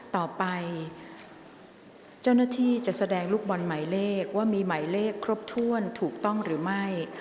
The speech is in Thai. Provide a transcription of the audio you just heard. ต่อไปเจ้าหน้าที่จะแสดงลูกบอลหมายเลขว่ามีหมายเลขครบถ้วนถูกต้องหรือไม่